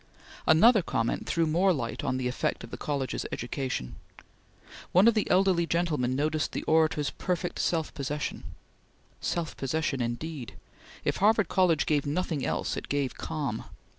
Another comment threw more light on the effect of the college education. One of the elderly gentlemen noticed the orator's "perfect self possession." Self possession indeed! If Harvard College gave nothing else, it gave calm.